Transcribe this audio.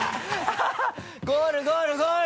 ゴールゴールゴール！